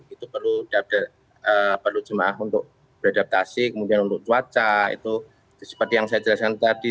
itu perlu jemaah untuk beradaptasi kemudian untuk cuaca itu seperti yang saya jelaskan tadi